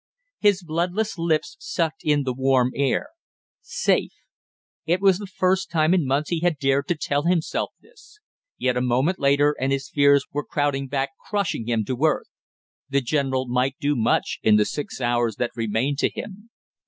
His bloodless lips sucked in the warm air. Safe! It was the first time in months he had dared to tell himself this; yet a moment later and his fears were crowding back crushing him to earth. The general might do much in the six hours that remained to him.